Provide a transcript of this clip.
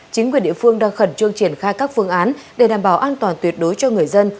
chính quyền địa phương đang khẩn trương triển khai các phương án để đảm bảo an toàn tuyệt đối cho người dân